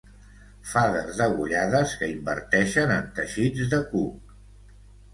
Fades degollades que inverteixen en teixits de cuc.